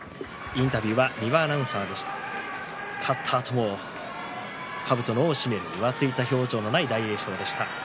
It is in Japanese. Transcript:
勝ったあともかぶとの緒を締める浮ついた表情はない大栄翔でした。